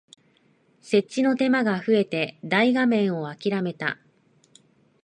設置の手間が増えて大画面をあきらめた